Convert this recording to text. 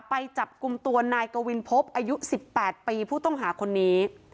ไปจับกลุ่มตัวนายกวินพบอายุ๑๘ปีผู้ต้องหาคนนี้